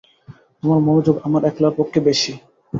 তোমার মনোযোগ আমার একলার পক্ষে বেশি।